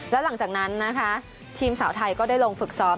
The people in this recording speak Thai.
แล้วหลังจากนั้นนะคะทีมสาวไทยก็ได้ลงฝึกซ้อม